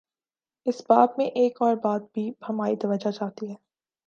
اس باب میں ایک اور بات بھی ہماری توجہ چاہتی ہے۔